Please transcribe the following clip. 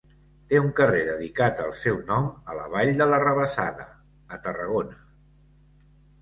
Té un carrer dedicat al seu nom a la vall de l'Arrabassada, a Tarragona.